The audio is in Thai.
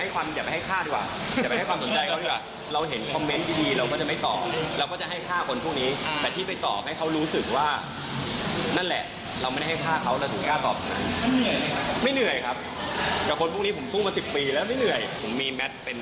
แคปไปหลายนี่แคปไปหลายอันแล้วด้วย